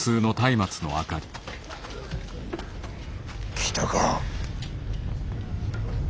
来たか。